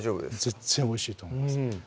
全然おいしいと思います